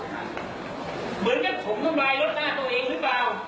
เหมือนกับผมทำลายรถหน้าตัวเองหรือเปล่า